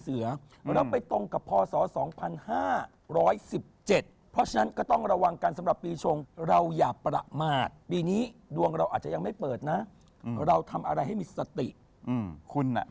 อืมคุณน่ะสำประชัญญะมีมาก